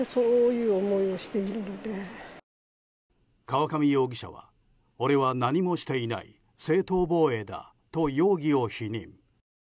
河上容疑者は俺は何もしていない正当防衛だと容疑を否認。